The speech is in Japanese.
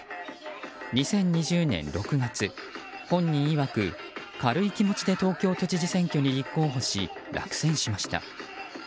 ２０２０年６月本人いわく、軽い気持ちで東京都知事選挙に立候補し落選しました。